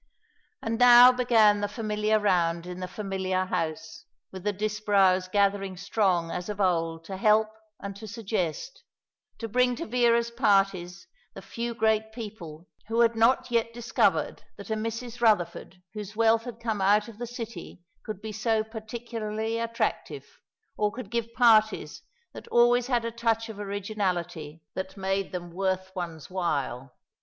And now began the familiar round in the familiar house, with the Disbrowes gathering strong as of old to help and to suggest to bring to Vera's parties the few great people who had not yet discovered that a Mrs. Rutherford whose wealth had come out of the City could be so particularly attractive, or could give parties that had always a touch of originality that made them worth one's while.